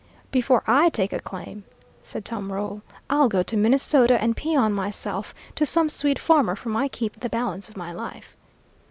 "Before I take a claim," said Tom Roll, "I'll go to Minnesota and peon myself to some Swede farmer for my keep the balance of my life.